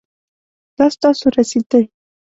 دا ستاسو رسید دی